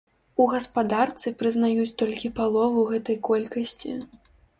У гаспадарцы прызнаюць толькі палову гэтай колькасці.